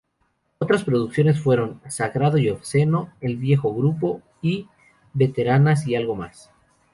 Otras producciones fueron: "Sagrado y obsceno", "El viejo grupo" y "Veteranas y algo más".